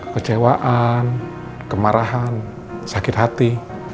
kecewaan kemarahan sakit hati